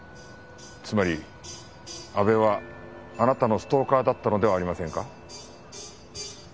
つまり阿部はあなたのストーカーだったのではありませんか？